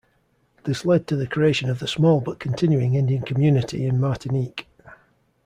This led to the creation of the small but continuing Indian community in Martinique.